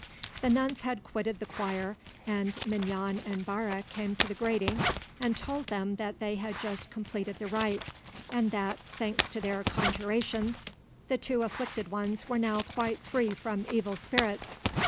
The nuns had quitted the choir, and Mignon and Barre came to the grating and told them that they had just completed the rite, and that, thanks to their conjurations, the two afflicted ones were now quite free from evil spirits.